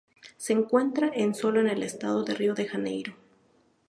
Se encuentra en sólo en el estado de Río de Janeiro.